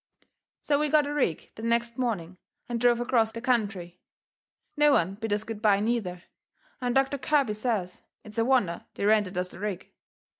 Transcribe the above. So we got a rig the next morning and drove acrost the country. No one bid us good bye, neither, and Doctor Kirby says it's a wonder they rented us the rig.